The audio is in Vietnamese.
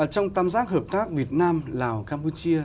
trong tam giác hợp tác việt nam lào campuchia